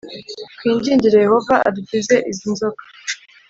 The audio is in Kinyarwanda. Twingingire Yehova adukize izi nzoka